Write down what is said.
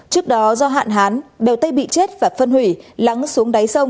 trước đó do hạn hán bèo tây bị chết và phân hủy lắng xuống đáy sông